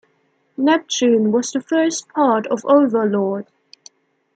"Neptune" was the first part of "Overlord".